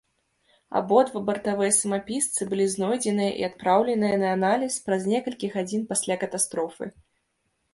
Абодва бартавыя самапісцы былі знойдзеныя і адпраўленыя на аналіз праз некалькі гадзін пасля катастрофы.